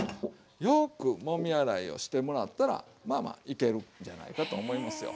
よくもみ洗いをしてもらったらまあまあいけるんじゃないかと思いますよ。